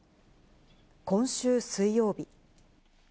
今週水曜日。